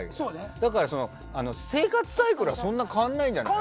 だから、生活サイクルはそんな変わんないんじゃないの？